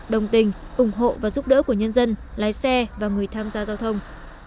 đồng tình ủng hộ và giúp đỡ của nhân dân lái xe và người tham gia giao thông